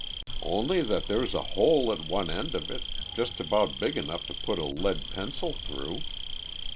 "Only that there's a hole at one end of it, just about big enough to put a lead pencil through."